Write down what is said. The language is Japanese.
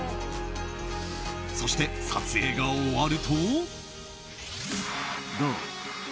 そして、撮影が終わると。